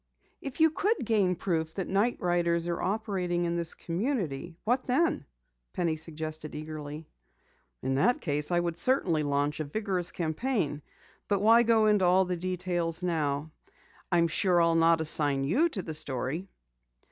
"If you could gain proof that night riders are operating in this community, what then?" Penny suggested eagerly. "In that case, I should certainly launch a vigorous campaign. But why go into all the details now? I'm sure I'll not assign you to the story."